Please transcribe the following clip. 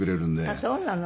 あっそうなの？